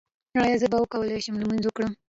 ایا زه به وکولی شم لمونځ وکړم؟